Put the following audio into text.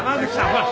ほら。